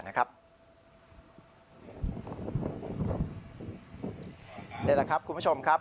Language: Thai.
นี่แหละครับคุณผู้ชมครับ